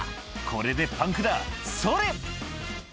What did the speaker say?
これでパンクだそれ！」